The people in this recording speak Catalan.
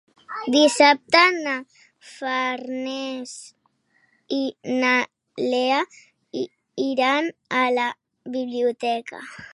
Dissabte na Farners i na Lea iran a la biblioteca.